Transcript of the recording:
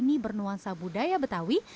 didominasi warna biru dan berwarna merah